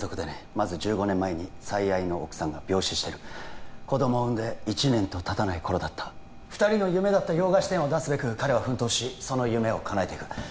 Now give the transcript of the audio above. まず１５年前に最愛の奥さんが病死してる子どもを産んで１年とたたない頃だった二人の夢だった洋菓子店を出すべく彼は奮闘しその夢をかなえてく